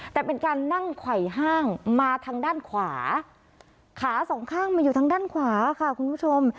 แต่เป็นการนั่งไขว่ห้างมาทางด้านขวาขาสองข้างมาอยู่ทางด้านขวาค่ะคุณผู้ชม